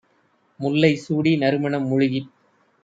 "முல்லை சூடி நறுமணம் முழுகிப்